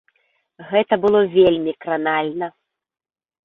Гэта было вельмі кранальна.